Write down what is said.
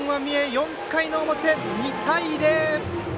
４回の表、２対０。